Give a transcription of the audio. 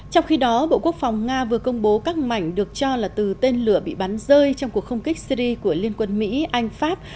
trong khi đó bộ quốc phòng nga vừa công bố các mảnh được cho là từ tên lửa bị bắn rơi trong cuộc không kích syri của liên quân mỹ anh pháp